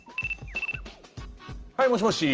はい、もしもし。